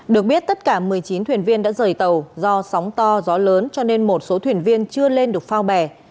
được biết tất cả một mươi chín thuyền viên đã rời tàu do sóng to gió lớn cho nên một số thuyền viên chưa lên được phao bè